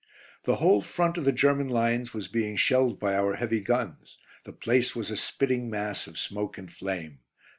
The whole front of the German lines was being shelled by our heavy guns; the place was a spitting mass of smoke and flame.